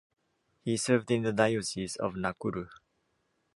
He served in the Diocese of Nakuru.